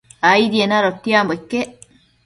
Aidien adotiambo iquec